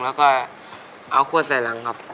แล้วก็เอาขวดใส่ลงครับ